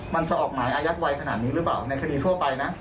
มันจะออกหมายอายัดไวขนาดนี้หรือเปล่าในคดีทั่วไปนะ